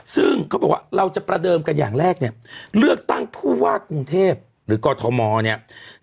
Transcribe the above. ซึ่งเขาบอกว่าเราจะประเดิมกันอย่างแรกเนี่ยเลือกตั้งผู้ว่ากรุงเทพหรือกอทมเนี่ย